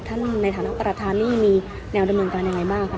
ในฐานะประธานนี่มีแนวดำเนินการยังไงบ้างครับ